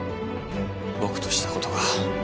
僕としたことが。